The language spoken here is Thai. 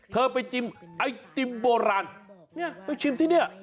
เธอไปจิ้มไอศครีมโบราณไปชิมที่นี่